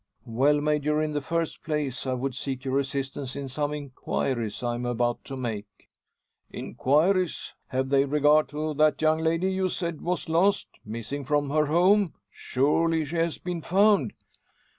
"Well, Major, in the first place I would seek your assistance in some inquiries I am about to make." "Inquiries! Have they regard to that young lady you said was lost missing from her home! Surely she has been found?"